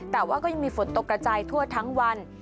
แต่ว่าก็ยังมีฝนตกกระจายทั่วทั้งวัน